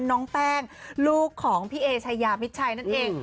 น้องแป้งลูกของพี่เอชายามิดชัยนั่นเอง